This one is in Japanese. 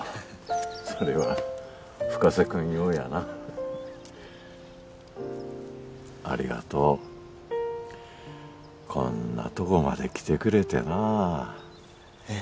それは深瀬君用やなありがとうこんなとこまで来てくれてなえッ？